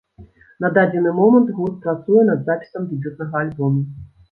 На дадзены момант гурт працуе над запісам дэбютнага альбома.